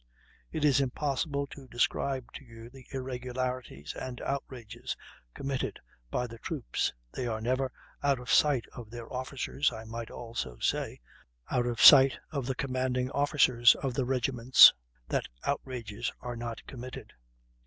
"It is impossible to describe to you the irregularities and outrages committed by the troops. They are never out of sight of their officers, I might almost say, out of sight of the commanding officers of the regiments that outrages are not committed...